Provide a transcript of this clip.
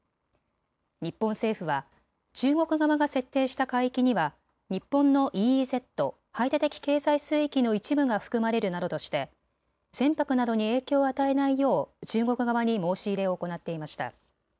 日本政府は中国側が設定した海域には日本のＥＥＺ・排他的経済水域の一部が含まれるなどとして船舶などに影響を与えないよう中国側に申し入れを行っていました。